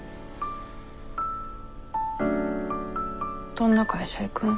どんな会社行くの？